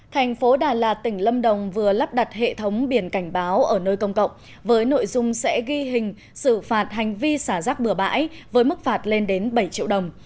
thành phố đà lạt tỉnh lâm đồng vừa lắp đặt hệ thống biển cảnh báo ở nơi công cộng với nội dung sẽ ghi hình xử phạt hành vi xả rác bừa bãi với mức phạt lên đến bảy triệu đồng